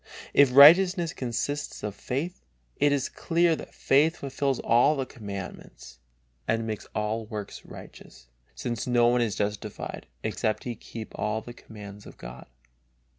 If righteousness consists of faith, it is clear that faith fulfils all commandments and makes all works righteous, since no one is justified except he keep all the commands of God.